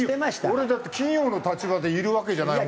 俺だって企業の立場でいるわけじゃない。